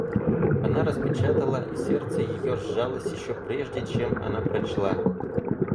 Она распечатала, и сердце ее сжалось еще прежде, чем она прочла.